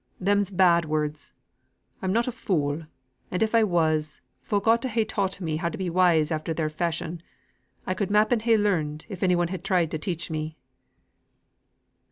Them's bad words. I'm not a fool; and if I was, folk ought to ha' taught me how to be wise after their fashion. I could m'appen ha' learnt, if any one had tried to teach me."